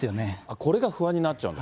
これが不安になっちゃうんだ。